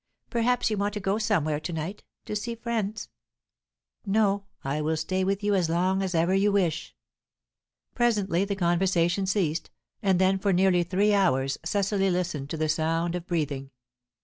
Perhaps you want to go somewhere to night to see friends?" "No. I will stay with you as long as ever you wish." Presently the conversation ceased, and then for nearly three hours Cecily listened to the sound of breathing.